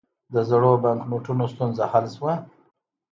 د زړو بانکنوټونو ستونزه حل شوه؟